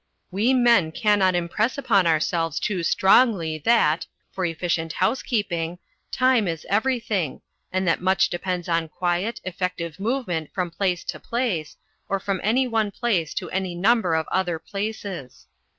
We Men cannot impress upon ourselves too strongly that, for efficient housekeeping, time is everything, and that much depends on quiet, effective movement from place to place, or from any one place to any number of other places.